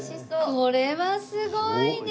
これはすごいね！